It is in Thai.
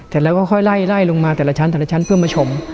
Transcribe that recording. เสร็จแล้วก็ค่อยไล่ไล่ลงมาแต่ละชั้นแต่ละชั้นเพื่อมาชม